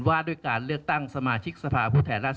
ว่าด้วยการเลือกตั้งสมาชิกสภาพุทธแห่งราษฎร